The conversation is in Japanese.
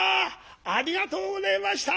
ありがとうごぜえました！